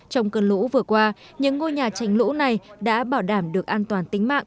trong cơn lũ vừa qua những ngôi nhà tránh lũ này đã bảo đảm được an toàn